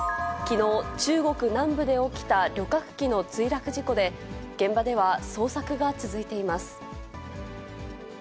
きのう、中国南部で起きた旅客機の墜落事故で、現場では捜索が続いています。